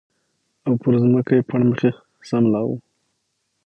او پر ځمکه یې پړ مخې سملاوه